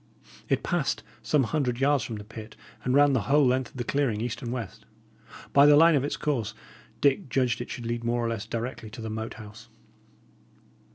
It passed some hundred yards from the pit, and ran the whole length of the clearing, east and west. By the line of its course, Dick judged it should lead more or less directly to the Moat House.